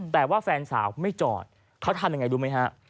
แต่ว่าแฟนสาวไม่จอดเขาทำยังไงรู้ไหมฮะ